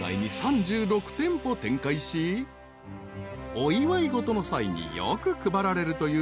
［お祝い事の際によく配られるという］